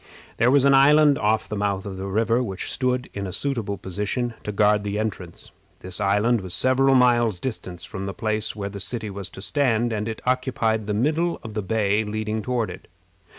There was an island off the mouth of the river which stood in a suitable position to guard the entrance. This island was several miles distant from the place where the city was to stand, and it occupied the middle of the bay leading toward it.